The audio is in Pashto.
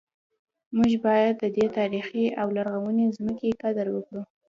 موږ باید د دې تاریخي او لرغونې ځمکې قدر وکړو